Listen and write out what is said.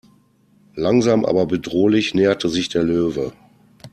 Langsam aber bedrohlich näherte sich der Löwe.